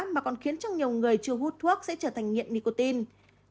mà còn khiến cho nhiều người chưa hút thuốc sẽ trở thành nghiện nicotine